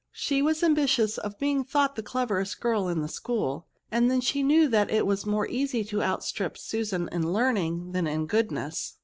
She was ambi tious of being thought the cleverest girl in the school ; and then she knew that it was more easy to outstrip Susan in learning than in goodness.